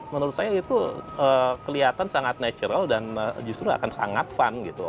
menurut saya itu kelihatan sangat natural dan justru akan sangat fun gitu